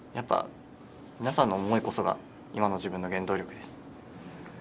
皆さんの思いこそが今の自分の原動力です。